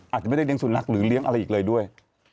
อาจจะไม่ได้เลี้ยสุนัขหรือเลี้ยงอะไรอีกเลยด้วย